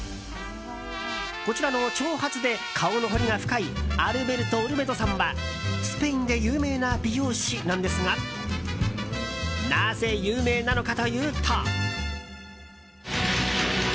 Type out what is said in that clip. こちらの長髪で顔の彫りが深いアルベルト・オルメドさんはスペインで有名な美容師なんですがなぜ有名なのかというと。